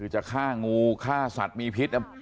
จะฆ่างูฆ่าสัตว์มีพิษ